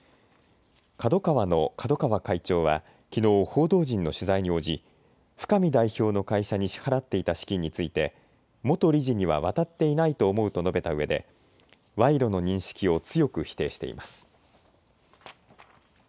ＫＡＤＯＫＡＷＡの角川会長はきのう報道陣の取材に応じ深見代表の会社に支払っていた資金について元理事には渡っていないと思うと述べたうえで賄賂の認識を強く否定しています。